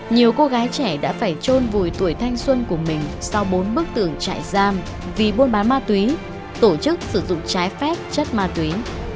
nhiều cô gái trẻ đã phải trôn vùi tuổi thanh xuân của mình sau bốn bức tường trại giam vì buôn bán ma túy tổ chức sử dụng trái phép chất ma túy